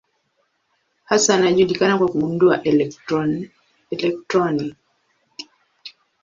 Hasa anajulikana kwa kugundua elektroni.